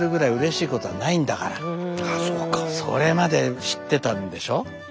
それまで知ってたんでしょ？